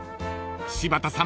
［柴田さん